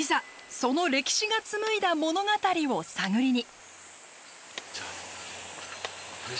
その歴史が紡いだ物語を探りに。